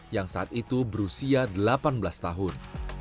yang saat itu berusia delapan belas tahun